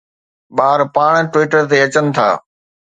ٻار پاڻ Twitter تي اچن ٿا